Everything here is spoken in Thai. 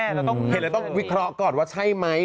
เราเห็นเราต้องวิเคราะห์ก่อนว่าใช่ไหม